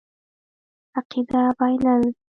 عقیده بایلل.